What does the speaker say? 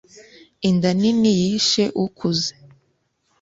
Inda nini yishe ukuze.